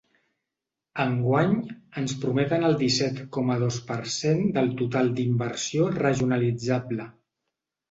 Enguany, ens prometen el disset coma dos per cent del total d’inversió regionalitzable.